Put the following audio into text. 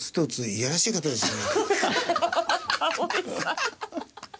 嫌らしいですね。